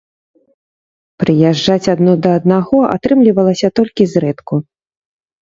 Прыязджаць адно да аднаго атрымлівалася толькі зрэдку.